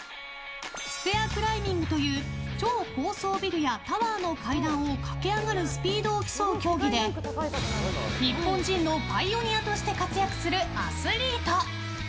ステアクライミングという超高層ビルやタワーの階段を駆け上がるスピードを競う競技で日本人のパイオニアとして活躍するアスリート。